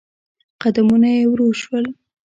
قدمونه يې ورو شول.